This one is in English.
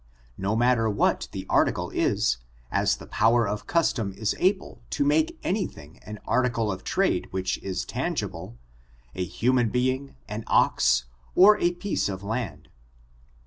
No matter what the article i^, as the power of cus tom is able to make any thing an article of trade which is tangible — a human being, an ox, or a piece of laud.